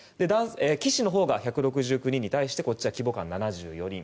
棋士のほうが１６９人に対して女流棋士は７４人。